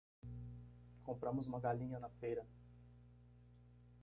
Compramos uma galinha na feira